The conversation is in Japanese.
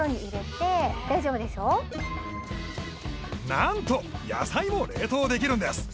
なんと野菜も冷凍できるんです